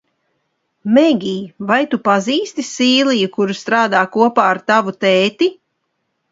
Megij, vai tu pazīsti SīIiju, kura strādā kopā ar tavu tēti?